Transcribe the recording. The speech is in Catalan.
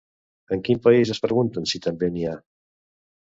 En quin país es pregunten si també n'hi ha?